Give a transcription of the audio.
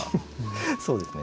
そうですね。